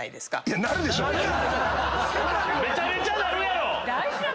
めちゃめちゃなるやろ！